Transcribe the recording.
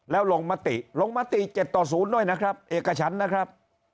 แล้วลงมติลงมติ๗ต่อ๐ด้วยนะครับเอกฉันนะครับ